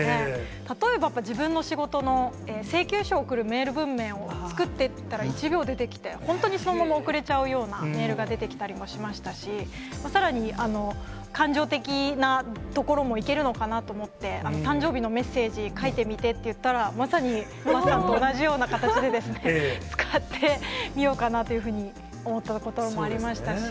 例えば自分の仕事の請求書を送るメール文面を作ってって言ったら、１秒で出来て、本当にそのまま送れちゃうようなメールが出てきたりとかしましたし、さらに、感情的なところもいけるのかなと思って、誕生日のメッセージ、書いてみてって言ったら、まさに桝さんと同じような形で、使ってみようかなというふうに思ったこともありましたし。